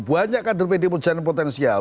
banyak kader pdi perjuangan potensial